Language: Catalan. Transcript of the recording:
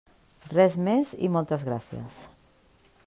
Res més i moltes gràcies.